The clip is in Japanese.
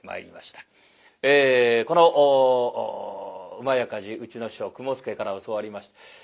この「火事」うちの師匠雲助から教わりました。